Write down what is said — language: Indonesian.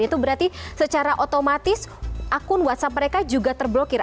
itu berarti secara otomatis akun whatsapp mereka juga terblokir